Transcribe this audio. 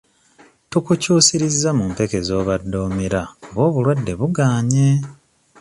Tukukyusirizza mu mpeke z'obadde omira kuba obulwadde bugaanye.